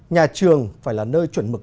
nhà trường phải là nơi chuẩn mực